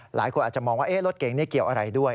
หลายคนอาจจะมองว่ารถเก๋งนี่เกี่ยวอะไรด้วย